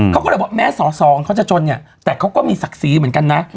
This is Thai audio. เขาก็เลยบอกแม้สอสองเขาจะจนเนี่ยแต่เขาก็มีศักดิ์ศรีเหมือนกันนะ